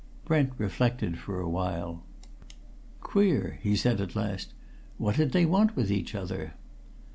Brent reflected for a while. "Queer!" he said at last. "What did they want with each other?"